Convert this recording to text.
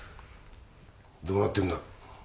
どうなってんだ？